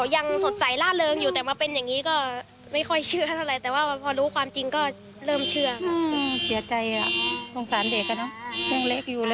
ยังไม่เชื่อครับเห็นแบบเขายังสดใสล่าเลิงอยู่